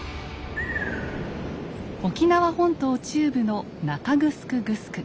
沖縄本島中部の中城グスク。